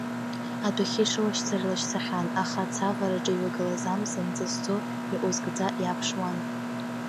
Адәахьы ишылашьцара илашьцахьан, аха аца авараҿ иҩагылаз амза мҵысӡо, иҟәызгаӡа иааԥшуан.